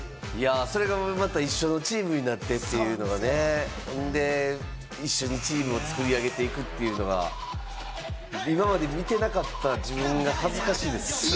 それがまた一緒のチームになってというのがね、一緒にチームを作り上げていくというのが今まで見てなかった自分が恥ずかしいです。